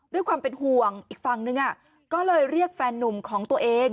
ด้วยความเป็นห่วงอีกฝั่งนึงก็เลยเรียกแฟนนุ่มของตัวเอง